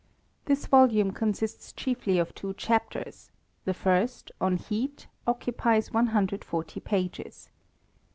This volume consists chiefly of two chapters : the first, on keat, occupies 140 pages.